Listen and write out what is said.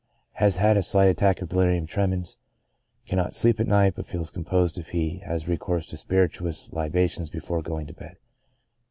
Has had a slight attack of delirium tremens. Cannot sleep at night, but feels composed if he has recourse to spirituous libations before going to bed.